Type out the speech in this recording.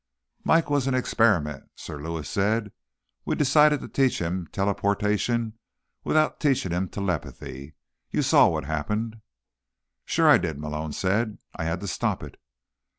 "Mike was an experiment," Sir Lewis said. "We decided to teach him teleportation without teaching him telepathy. You saw what happened." "Sure I did," Malone said. "I had to stop it."